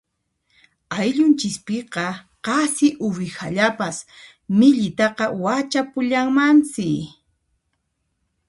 Ayllunchispiqa qasi uwihallapas millitaqa wachapullanmansi.